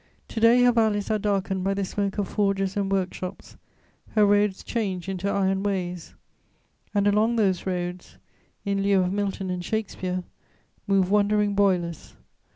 To day her valleys are darkened by the smoke of forges and workshops, her roads changed into iron ways; and along those roads, in lieu of Milton and Shakespeare, move wandering boilers.